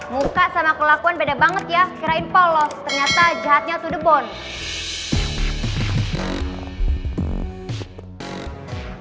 muka sama kelakuan beda banget ya kirain polos ternyata jahatnya to the bond